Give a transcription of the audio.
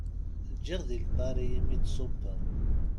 Ǧǧiɣ di Lpari i mi d-ṣubbeɣ.